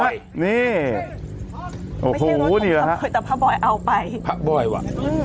นี่โอ้โหนี่แหละแต่พระบอยเอาไปพระบอยว่ะ